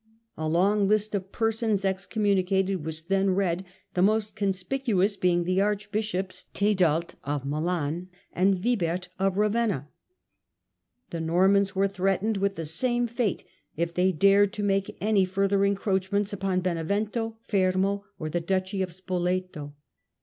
A long list of persons exconmiunicated was then read, the most conspicuous being the archbishops Tedald of Milan and Wibert of Ravenna. The Normans were threatened with the same fate if they dared to make any further encroach ments upon Benevento, Permo, or the duchy of Spoleto.